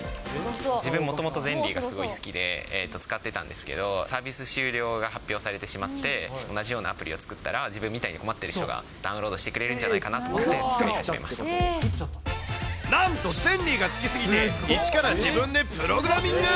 自分、もともとゼンリーがすごい好きで使っていたんですけど、サービス終了が発表されてしまって、同じようなアプリを作ったら、自分みたいに困ってる人がダウンロードしてくれるんじゃないかとなんと、ゼンリーが好きすぎて一から自分でプログラミング。